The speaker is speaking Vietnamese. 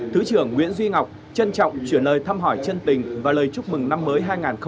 thứ trưởng nguyễn duy ngọc trân trọng chuyển lời thăm hỏi chân tình và lời chúc mừng năm mới hai nghìn hai mươi